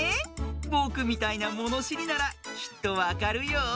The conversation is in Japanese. ぼくみたいなものしりならきっとわかるよ。